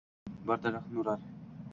bir daraxt nurar.